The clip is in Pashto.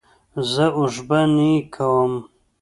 زه اوښبهني کوم.